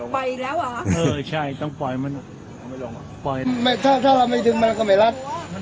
ไปแล้วเออใช่ต้องปล่อยมันปล่อยถ้าถ้าเราไม่ถึงมันก็ไม่รัด